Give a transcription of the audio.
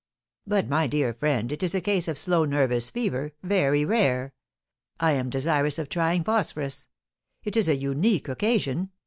"But, my dear friend, it is a case of slow nervous fever, very rare; I am desirous of trying phosphorus. It is a unique occasion.